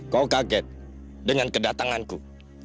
kau kaget dengan kedatanganku